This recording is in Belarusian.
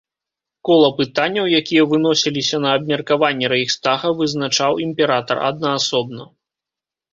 Кола пытанняў, якія выносіліся на абмеркаванне рэйхстага, вызначаў імператар аднаасобна.